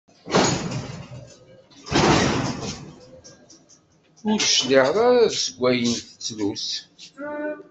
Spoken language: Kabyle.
Ur d-tecliε ara deg ayen tettlus.